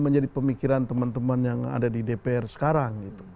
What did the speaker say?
menjadi pemikiran teman teman yang ada di dpr sekarang